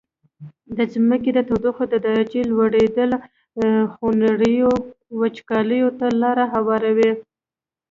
د ځمکي د تودوخي د درجي لوړیدل خونړیو وچکالیو ته لاره هواروي.